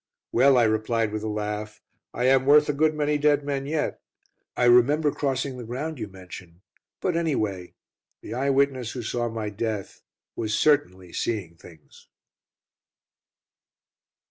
"Well," I replied with a laugh, "I am worth a good many dead men yet. I remember crossing the ground you mention but, anyway, the 'eye witness' who saw my death was certainly 'seeing things.'"